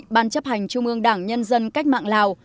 ban chấp hành trung ương đảng nhân dân cách mạng lào